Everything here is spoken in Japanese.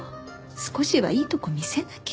少しはいいとこ見せなきゃ。